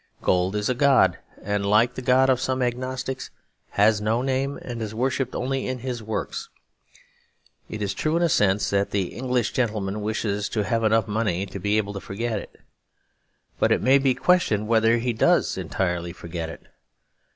Gold is a god; and like the god of some agnostics has no name and is worshipped only in his works. It is true in a sense that the English gentleman wishes to have enough money to be able to forget it. But it may be questioned whether he does entirely forget it.